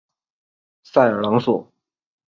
塞尔朗索。